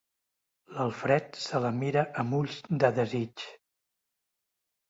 L'Alfred se la mira amb ulls de desig.